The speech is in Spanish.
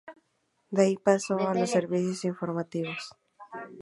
De ahí pasó a los servicios informativos.